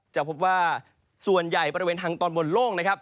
จะพบว่าส่วนใหญ่บริเวณทางตอนบนโล่งนะครับ